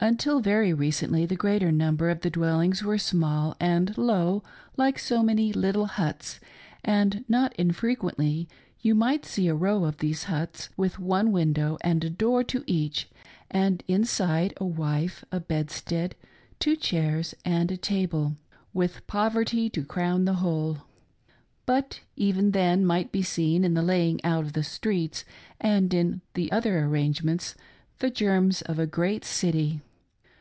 Until very recently the greater number of the dwellings were small and low, like so many little huts, and not infrequently you might see a row of these huts, with one window and a door to each, and, inside, a wife, a bedstead, two chairs and a table — with poverty to crown the whole. But even then might be seen in the laying out of the streets, and in the other arrangements, the germs of a great city.